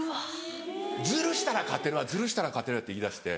「ズルしたら勝てるわズルしたら勝てるわ」って言いだして。